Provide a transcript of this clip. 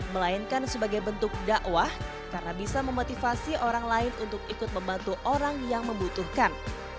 melainkan sebagai bentuk dakwah karena bisa memotivasi orang lain untuk ikut membantu orang yang membutuhkan